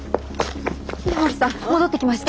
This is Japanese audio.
稲森さん戻ってきました。